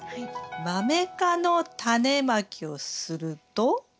マメ科のタネまきをすると？